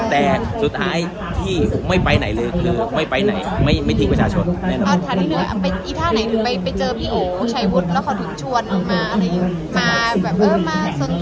แต่สุดท้ายที่ไม่ไปไหนเลยคือไม่ไปไหนไม่ไม่ทิ้งประชาชนอ่ะทันทีเลยอ่ะไปอีท่าไหนไปไปเจอพี่โหใช้วุฒิแล้วเขาถึงชวนมาอะไรอยู่มาแบบเออมาส่วนมาก